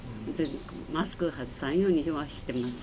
マスク外さんように、きょうはしてます。